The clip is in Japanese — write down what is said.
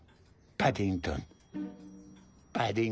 パディントン？